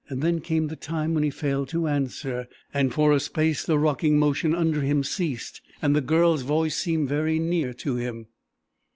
Then came the time when he failed to answer, and for a space the rocking motion under him ceased and the Girl's voice was very near to him.